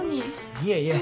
いえいえ。